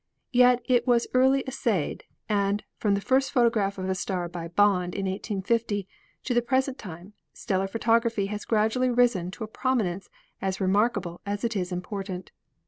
Yet it was early essayed, and from the first photograph of a star by Bond in 1850 to the present time stellar photography has gradually risen to a prominence as remarkable as it is important.